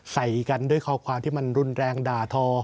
ใส่กันด้วยข้อความที่มันรุนแรงด่าทอ